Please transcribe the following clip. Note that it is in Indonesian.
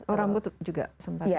oh rambut juga sempat lelah